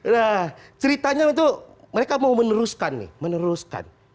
nah ceritanya itu mereka mau meneruskan nih meneruskan